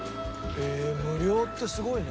無料ってすごいね。